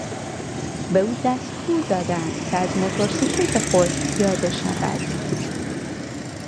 به او دستور دادند که از موتورسیکلت خود پیاده شود.